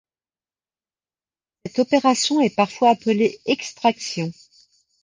Cette opération est parfois appelée extraction.